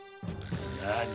なに？